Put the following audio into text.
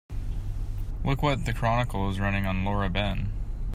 Look what the Chronicle is running on Laura Ben.